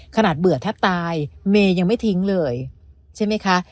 เบื่อแทบตายเมย์ยังไม่ทิ้งเลยใช่ไหมคะ